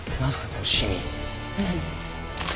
このシミ。